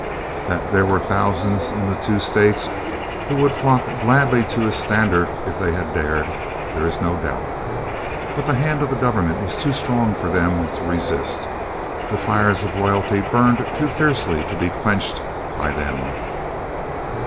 That there were thousands in the two states who would have flocked gladly to his standard if they had dared, there is no doubt. But the hand of the government was too strong for them to resist. The fires of loyalty burned too fiercely to be quenched by them.